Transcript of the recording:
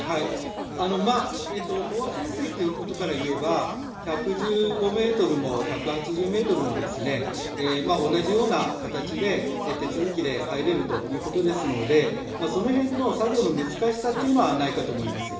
飽和潜水ということからいえば１１５ｍも１８０ｍも同じような形で手続きに入れるということですのでその辺の作業の難しさというのはないかと思います。